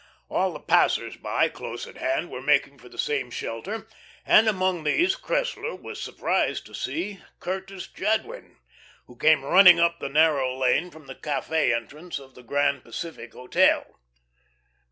All the passers by close at hand were making for the same shelter, and among these Cressler was surprised to see Curtis Jadwin, who came running up the narrow lane from the cafe entrance of the Grand Pacific Hotel.